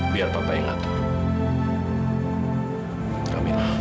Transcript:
biar papa yang atur